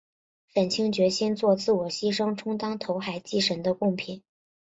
沈清决心作自我牺牲充当投海祭神的供品。